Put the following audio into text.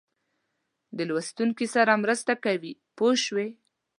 د لوستونکي سره مرسته کوي پوه شوې!.